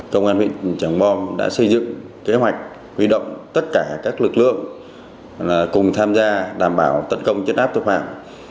công an huyện tràng bom đã xây dựng kế hoạch huy động tất cả các lực lượng cùng tham gia đảm bảo tấn công chất áp tội phạm